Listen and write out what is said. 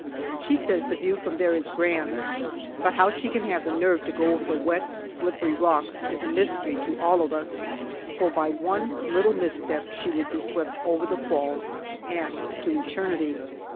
She says the view from there is grand, but how she can have the nerve to go over the wet, slippery rocks is a mystery to all of us, for by one little misstep she would be swept over the falls and to eternity.